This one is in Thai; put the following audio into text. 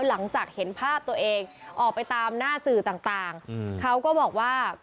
หลังจากเห็นภาพตัวเองออกไปตามหน้าสื่อต่างเขาก็บอกว่า